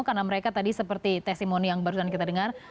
karena mereka tadi seperti tesimoni yang barusan kita dengar